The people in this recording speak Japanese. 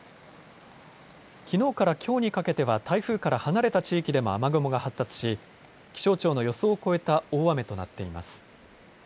きのうからきょうにかけては台風から離れた地域でも雨雲が発達し気象庁の予想を超えた大雨となっています。